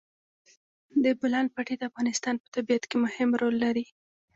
د بولان پټي د افغانستان په طبیعت کې مهم رول لري.